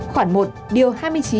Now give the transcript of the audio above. khoảng một điều hai mươi chín